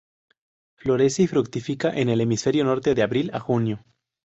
Florece y fructifica, en el hemisferio norte, de abril a junio.